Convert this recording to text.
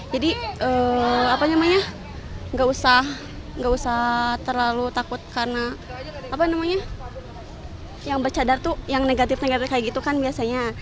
jadi apa namanya gak usah terlalu takut karena apa namanya yang bercadar tuh yang negatif negatif kayak gitu kan biasanya